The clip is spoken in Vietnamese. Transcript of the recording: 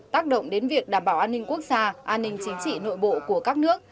tác động đến việc đảm bảo an ninh quốc gia an ninh chính trị nội bộ của các nước